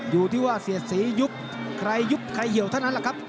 อยู่ที่ว่าเสียดสียุบใครยุบใครเหี่ยวเท่านั้นแหละครับ